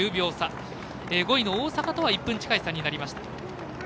５位の大阪とは１分近い差になりました。